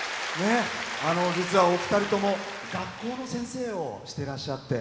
実はお二人とも学校の先生をしてらっしゃって。